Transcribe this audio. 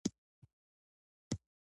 د ماشوم د خوراک پر مهال ارامي وساتئ.